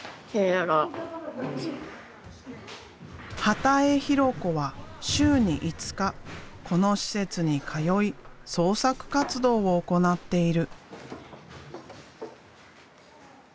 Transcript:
波多江弘子は週に５日この施設に通い創作活動を行っている。